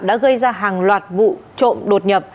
đã gây ra hàng loạt vụ trộm đột nhập